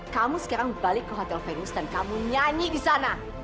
kamu sekarang balik ke hotel fenos dan kamu nyanyi di sana